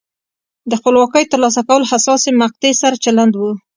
د خپلواکۍ ترلاسه کول حساسې مقطعې سره چلند و.